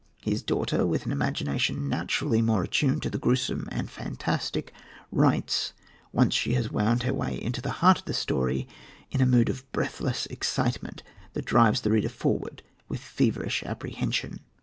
His daughter, with an imagination naturally more attuned to the gruesome and fantastic, writes, when once she has wound her way into the heart of the story, in a mood of breathless excitement that drives the reader forward with feverish apprehension.